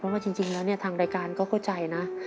เพราะว่าจริงแล้วเนี่ยทางรายการก็เข้าใจนะ